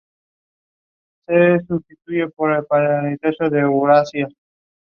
Create the input directory and add translation files